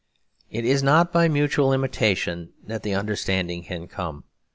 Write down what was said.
It is not by mutual imitation that the understanding can come.